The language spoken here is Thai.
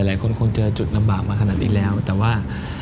หลายคนคงเจอจุดลำบากมาขนาดนี้แล้วแต่ว่า